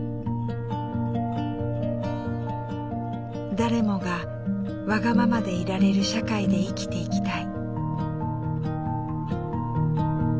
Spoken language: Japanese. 誰もがわがままでいられる社会で生きていきたい。